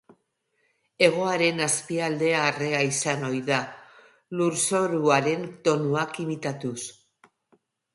Hegoaren azpialdea arrea izan ohi da, lurzoruaren tonuak imitatuz.